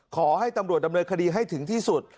ขอให้ตำรวจดำเนินคดีให้ถึงที่สุด